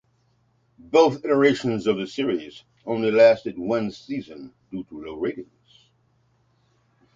Both iterations of the series only lasted one season due to low ratings.